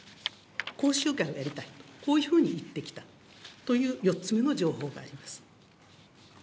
講習会をやりたいと、こういうふうに言ってきたという４つ目の情報があります。